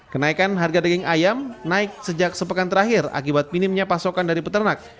kenaikan harga daging ayam naik sejak sepekan terakhir akibat minimnya pasokan dari peternak